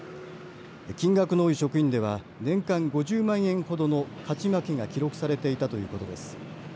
金額の多い職員では年間５０万円ほどの勝ち負けが記録されていたということです。